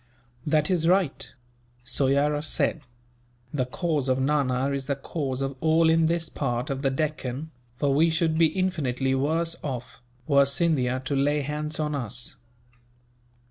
"That is right," Soyera said. "The cause of Nana is the cause of all in this part of the Deccan; for we should be infinitely worse off, were Scindia to lay hands on us.